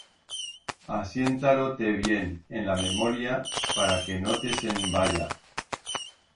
Asienta-lo-te bien en la memoria para que no te se'n vaya